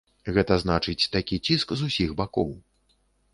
Гэта значыць, такі ціск з усіх бакоў.